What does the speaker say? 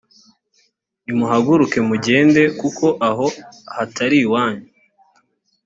nimuhaguruke mugende kuko aha hatari iwanyu